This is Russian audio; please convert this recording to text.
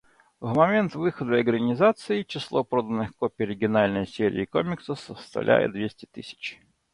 На момент выхода экранизации число проданных копий оригинальной серии комиксов составляет двести тысяч.